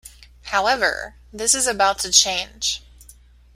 However, this is about to change.